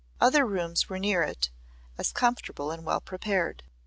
Other rooms were near it, as comfortable and well prepared.